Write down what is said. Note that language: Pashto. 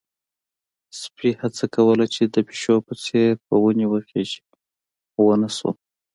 سپي هڅه کوله چې د پيشو په څېر په ونې وخيژي، خو ونه شول.